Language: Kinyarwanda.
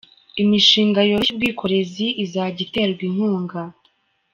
Imishinga yoroshya ubwikorezi izajya iterwa inkunga.